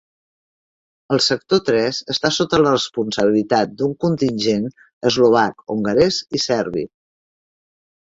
El Sector Tres està sota la responsabilitat d'un contingent eslovac, hongarès i serbi.